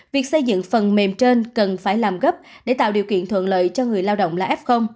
việc xây dựng phần mềm trên cần phải làm gấp để tạo điều kiện thuận lợi cho người lao động là f